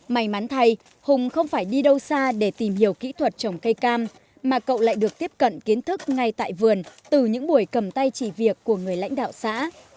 may mắn thay hùng không phải đi đâu xa để tìm hiểu kỹ thuật trồng cây cam mà cậu lại được tiếp cận kiến thức ngay tại vườn từ những buổi cầm tay chỉ việc của người lãnh đạo xã